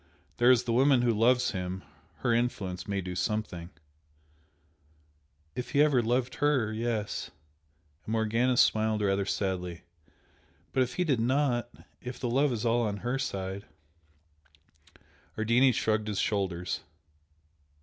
There is the woman who loves him her influence may do something " "If he ever loved her yes" and Morgana smiled rather sadly "But if he did not if the love is all on her side " Ardini shrugged his shoulders.